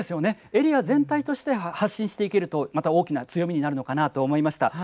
エリア全体として発信していけるとまた大きな強みになるのかなと思いました。